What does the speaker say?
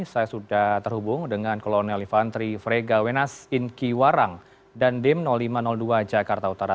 saya sudah terhubung dengan kolonel livantri frega wenas inkiwarang dan dem lima ratus dua jakarta utara